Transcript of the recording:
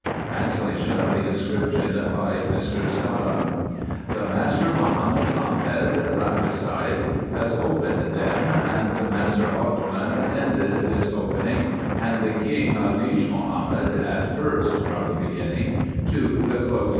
Translation of the Inscription by Mr. Salame. " The Master Mohammed Ahmed, lapicide, has opened them ; and the Master Othman attended this (opening) ; and the King Alij Mohammed at first (from the beginning) to the closing up."